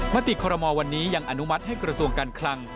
มติคอรมอลวันนี้ยังอนุมัติให้กระทรวงการคลัง